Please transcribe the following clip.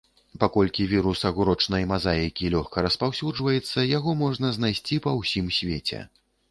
Паколькі вірус агурочнай мазаікі лёгка распаўсюджваецца, яго можна знайсці па ўсім свеце.